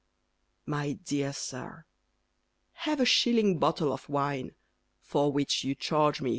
My dear Sir, Have a shilling bottle of wine (For which you charge me 3s.